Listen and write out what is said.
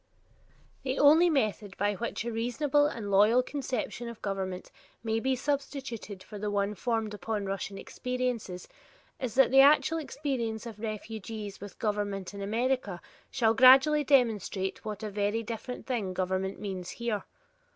The only method by which a reasonable and loyal conception of government may be substituted for the one formed upon Russian experiences is that the actual experience of refugees with government in America shall gradually demonstrate what a very different thing government means here.